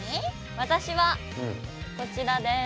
私はこちらです。